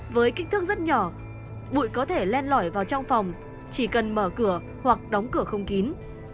với kích thước rất nhỏ bụi có thể len lỏi vào trong phòng chỉ cần mở cửa hoặc đóng cửa không kín